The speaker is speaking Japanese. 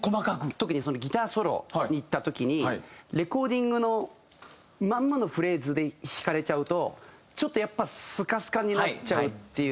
特にそのギターソロにいった時にレコーディングのまんまのフレーズで弾かれちゃうとちょっとやっぱスカスカになっちゃうっていう。